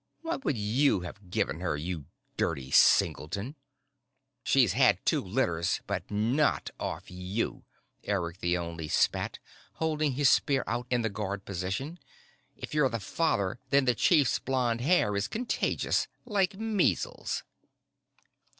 What would you have given her, you dirty singleton?" "She's had two litters, but not off you," Eric the Only spat, holding his spear out in the guard position. "If you're the father, then the chief's blonde hair is contagious like measles."